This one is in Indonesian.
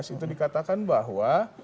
itu dikatakan bahwa